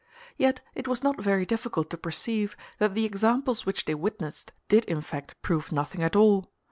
Yet it was not very difficult to perceive that the examples which they witnessed did in fact prove nothing at all.